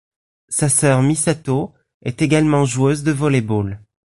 Sa sœur Misato, est également joueuse de volley-ball.